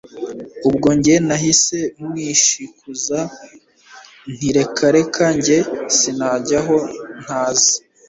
ubwo njye nahise mwishikuza nti reka reka njye sinajya aho ntazi